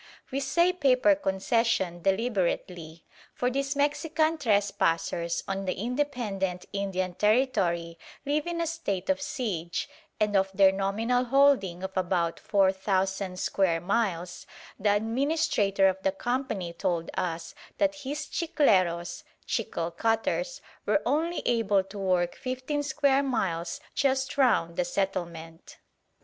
We say "paper concession" deliberately, for these Mexican trespassers on the independent Indian territory live in a state of siege, and of their nominal holding of about 4,000 square miles the administrator of the Company told us that his chicleros (chicle cutters) were only able to work fifteen square miles just round the settlement.